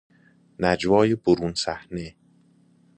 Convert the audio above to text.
نجوای برون صحنه